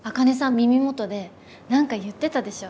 耳元で何か言ってたでしょ？